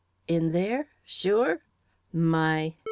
"In there? Sure? My